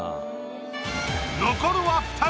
残るは二人。